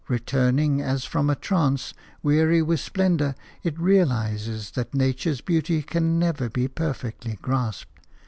Returning as from a trance, weary with splendour, it realises that nature's beauty can never be perfectly grasped.